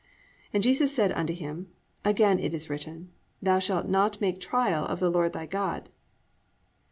(7) Jesus said unto him, Again it is written, thou shalt not make trial of the Lord thy God.